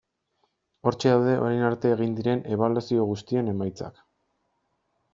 Hortxe daude orain arte egin diren ebaluazio guztien emaitzak.